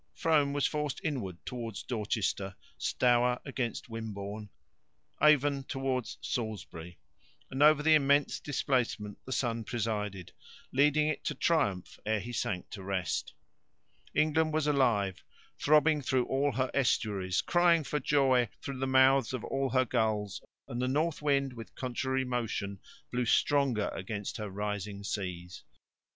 Frome was forced inward towards Dorchester, Stour against Wimborne, Avon towards Salisbury, and over the immense displacement the sun presided, leading it to triumph ere he sank to rest. England was alive, throbbing through all her estuaries, crying for joy through the mouths of all her gulls, and the north wind, with contrary motion, blew stronger against her rising seas.